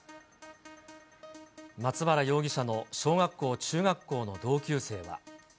松原容疑者の小学校、中学校の同級生は。